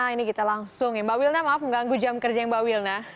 ini kita langsung ya mbak wilna maaf mengganggu jam kerja yang mbak wilna